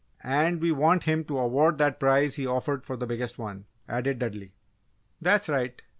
"And we want him to award that prize he offered for the biggest one," added Dudley. "That's right.